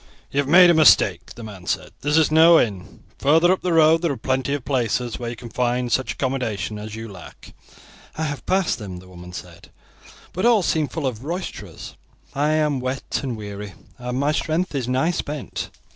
"You have made a mistake," the man said; "this is no inn. Further up the road there are plenty of places where you can find such accommodation as you lack." "I have passed them," the woman said, "but all seemed full of roisterers. I am wet and weary, and my strength is nigh spent.